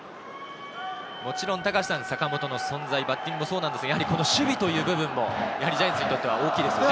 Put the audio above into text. もちろん坂本の存在、バッティングもそうですが、守備という部分もジャイアンツにとって大きいですね。